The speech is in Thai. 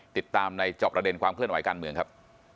ติดตามในจอบประเด็นความเคลื่อนไหวการเมืองครับ